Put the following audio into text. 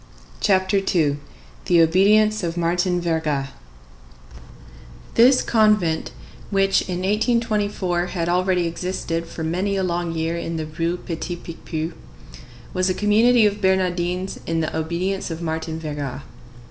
CHAPTER II—THE OBEDIENCE OF MARTIN VERGA This convent, which in 1824 had already existed for many a long year in the Rue Petit Picpus, was a community of Bernardines of the obedience of Martin Verga.